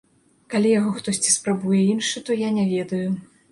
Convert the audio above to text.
Калі яго хтосьці спрабуе іншы, то я не ведаю.